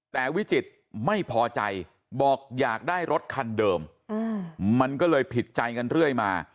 แต่วิจิตรไม่พอใจบอกอยากได้รถคันเดิมมันก็เลยผิดใจกันเรื่อยมา